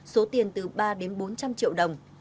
số tiền từ ba đến bốn triệu đồng